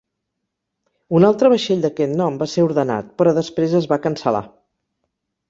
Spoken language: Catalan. Un altre vaixell d'aquest nom va ser ordenat però després es va cancel·lar.